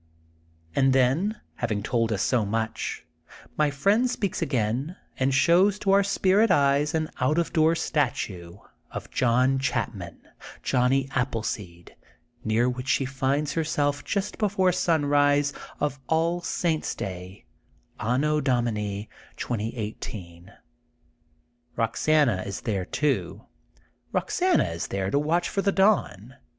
And then having told us so much, my friend speaks again and shows to our spirit eyes an out of ^oor statue of John Chapman, Johnny Appleseed, near which she finds herself just before sunrise of All Saint's Day, Anno 24 THE GOLDEN BOOK OF SPRINGFIELD Domini, 2018. Boxana is there to watch for the dawn.